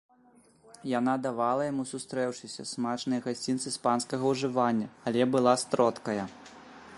Яна давала яму, сустрэўшыся, смачныя гасцінцы з панскага ўжывання, але была стродкая.